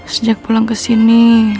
sejak pulang kesini